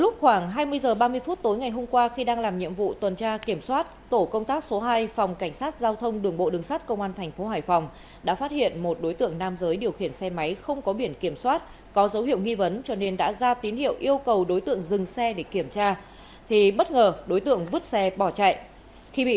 trong khi đó tại hải phòng đội tuần tra số hai phòng cảnh sát giao thông đường bộ đường sát công an thành phố hải phòng vừa bắt giữ vũ văn chiến bốn mươi tuổi chú tại quận ngô quyền thành phố hải phòng về hành vi chống người thi hành công vụ và trộm cắp tài sản